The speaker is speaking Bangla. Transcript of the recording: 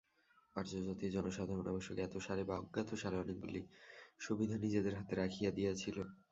আর্যজাতির জনসাধারণ অবশ্য জ্ঞাতসারে বা অজ্ঞাতসারে অনেকগুলি সুবিধা নিজেদের হাতে রাখিয়া দিয়াছিল।